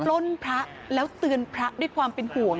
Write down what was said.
ล้นพระแล้วเตือนพระด้วยความเป็นห่วง